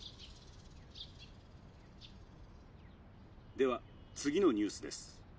では次のニュースです。